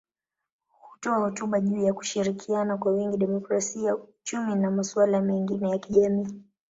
Hutoa hotuba juu ya kushirikiana kwa wingi, demokrasia, uchumi na masuala mengine ya kijamii.